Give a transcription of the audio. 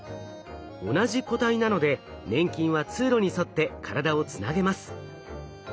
同じ個体なので粘菌は通路に沿って体をつなげます。